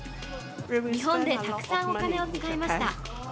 日本でたくさんお金を使いました。